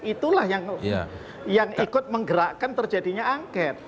itulah yang ikut menggerakkan terjadinya angket